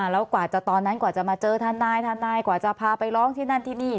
แล้วกว่าจะตอนนั้นกว่าจะมาเจอทนายทนายกว่าจะพาไปร้องที่นั่นที่นี่